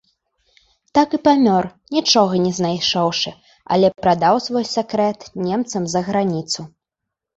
Так і памёр, нічога не знайшоўшы, але прадаў свой сакрэт немцам за граніцу.